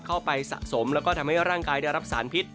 สะสมแล้วก็ทำให้ร่างกายได้รับสารพิษ